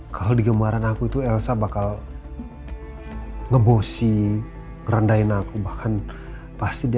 kalau di gembaran aku itu elsa bakal ngebosi merendahin aku bahkan pasti dia